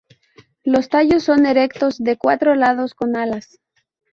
Los tallos son erectos, de cuatro lados con alas.